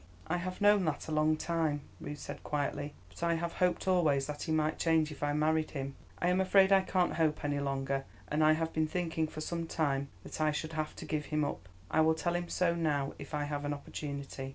"I have known that a long time," Ruth said, quietly; "but I have hoped always that he might change if I married him. I am afraid I can't hope any longer, and I have been thinking for some time that I should have to give him up. I will tell him so now, if I have an opportunity."